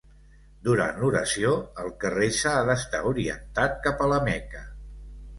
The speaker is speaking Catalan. Durant l'oració el que resa ha d'estar orientat cap a la Meca.